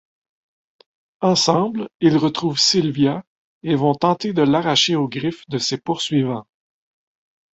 Ensemble, ils retrouvent Sylvia et vont tenter de l'arracher aux griffes de ses poursuivants…